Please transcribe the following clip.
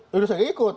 sudah saja ikut